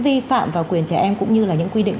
vi phạm vào quyền trẻ em cũng như là những quy định